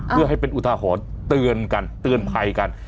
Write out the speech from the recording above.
เพื่อให้เป็นอุทาหรณ์เตือนกันเตือนภัยกัน